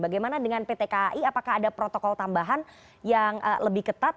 bagaimana dengan pt kai apakah ada protokol tambahan yang lebih ketat